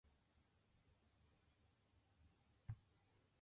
どうして飛行機は、あんなに重いのに空を飛べるんだろう。